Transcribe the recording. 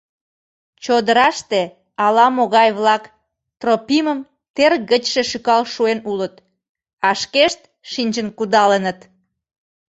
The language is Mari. Чодыраште ала-могай-влак Тропимым тер гычше шӱкал шуэн улыт, а шкешт шинчын кудалыныт...